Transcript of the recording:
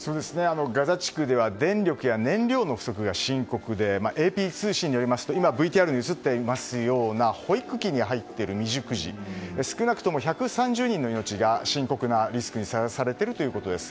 ガザ地区では電力や燃料の不足が深刻でＡＰ通信によりますとＶＴＲにありますように保育器に入っている未熟児少なくとも１３０人の命が深刻なリスクにさらされているということです。